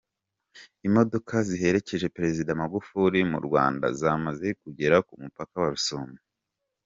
Imodoka ziherekeje Perezida Magufuli mu Rwanda zamaze kugera ku mupaka wa Rusumo.